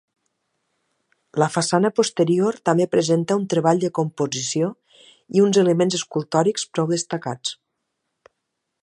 La façana posterior també presenta un treball de composició i uns elements escultòrics prou destacats.